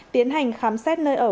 tiến hành khám xét nơi ở